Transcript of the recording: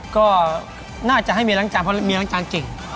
ก็น่าจะให้เมียล้างจานเพราะเมียล้างจานเก่ง